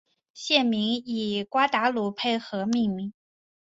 县名以瓜达卢佩河命名。